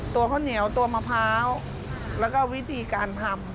ข้าวเหนียวตัวมะพร้าวแล้วก็วิธีการทำ